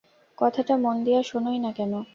কথাটা মন দিয়া শােনই না কেন?